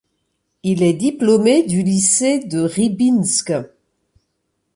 Il est diplômé du lycée de Rybinsk.